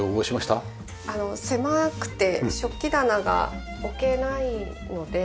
狭くて食器棚が置けないので。